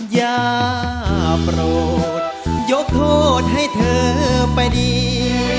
อย่าโปรดยกโทษให้เธอไปดี